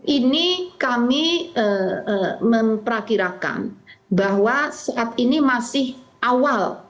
ini kami memperkirakan bahwa saat ini masih awal